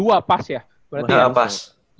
oh dua puluh dua pas ya berarti masih bisa